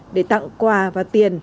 để tặng quà và tiền